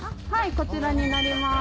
こちらになります。